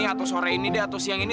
atau sore ini dah atau siang ini